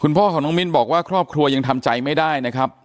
พ่อของน้องมิ้นบอกว่าครอบครัวยังทำใจไม่ได้นะครับ